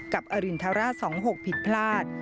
กับอรินทราสตร์๒๖ผิดพลาด